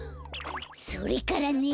それからね。